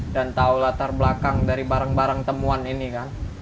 dan tahu latar belakang dari barang barang temuan ini kan